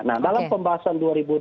nah dalam pembahasan dua ribu tujuh belas